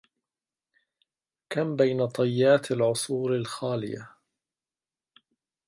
كم بين طيات العصور الخاليه